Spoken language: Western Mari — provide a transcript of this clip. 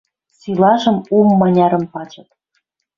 Силажым ум манярым пачыт!